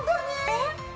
えっ？